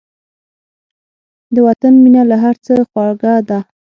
د وطن مینه له هر څه خوږه ده.